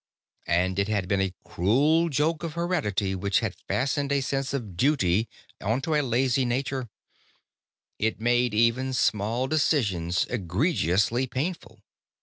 But it had been a cruel joke of heredity which had fastened a sense of duty onto a lazy nature. It made even small decisions egregiously painful.